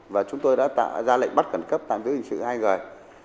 và chúng tôi đã ra lệnh bắt khẩn cấp tạm biệt hình sự hai người